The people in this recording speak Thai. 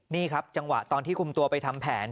นี่ครับจังหวะตอนที่คุมตัวไปทำแผน